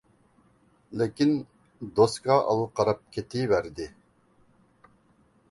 لېكىن، «دوسكا» ئالغا قاراپ كېتىۋەردى،